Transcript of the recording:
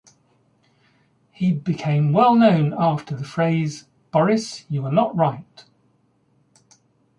He became well known after the phrase Boris, you are not right!